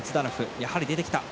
やはり出てきた。